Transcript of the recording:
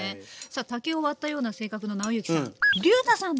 さあ竹を割ったような性格の尚之さん。